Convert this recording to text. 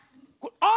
あっ！